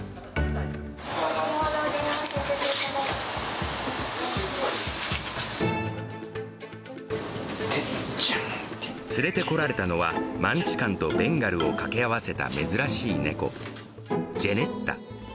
先ほどお電話させていただい連れてこられたのは、マンチカンとベンガルを掛け合わせた珍しい猫、ジェネッタ。